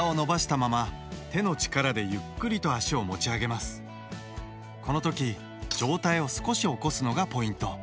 まず続いてこの時上体を少し起こすのがポイント。